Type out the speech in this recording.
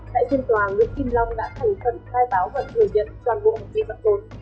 tại thiên tòa nguyễn kim long đã thành phần khai báo và thừa nhận toàn bộ hành vi bắt tốn